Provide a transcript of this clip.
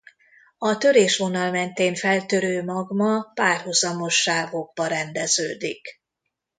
A törésvonal mentén feltörő magma párhuzamos sávokba rendeződik.